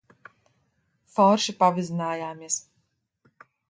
Forši pavizinājāmies.